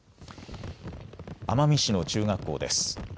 奄美市の中学校です。